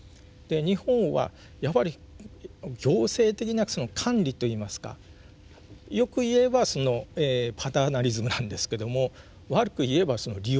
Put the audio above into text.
日本はやっぱり行政的なその管理といいますか良く言えばパターナリズムなんですけども悪く言えば利用する。